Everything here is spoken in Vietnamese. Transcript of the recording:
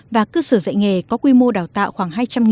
và cơ sở dạy nghề có quy mô đào tạo khoảng hai trăm linh